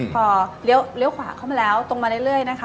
พอเลี้ยวขวาเข้ามาแล้วตรงมาเรื่อยนะคะ